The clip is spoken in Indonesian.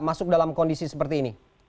masuk dalam kondisi seperti ini